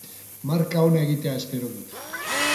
Marka ona egitea espero dut.